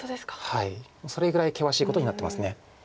はいそれぐらい険しいことになってます。